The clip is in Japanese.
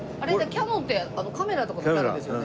キヤノンってカメラとかのキヤノンですよね？